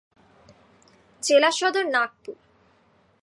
জেলা সদর নাগপুর।